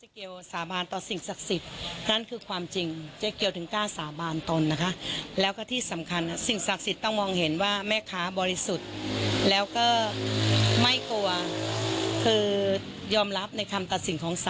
โกหกถ้าเจ๊เกี๊ยวไม่ถอนคำสาบานให้เขาจะได้ผลอันนั้นแน่นอน